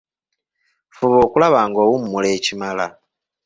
Fuba okulaba ng’owummula ekimala.